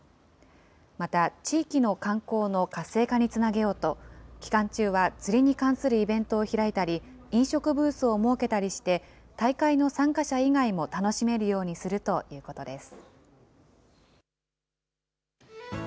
また地域の観光の活性化につなげようと、期間中は釣りに関するイベントを開いたり、飲食ブースを設けたりして、大会の参加者以外も楽しめるようにするということです。